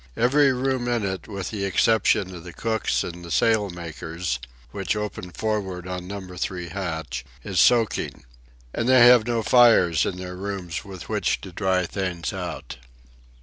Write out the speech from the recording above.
Every room in it, with the exception of the cook's and the sail makers' (which open for'ard on Number Two hatch), is soaking. And they have no fires in their rooms with which to dry things out.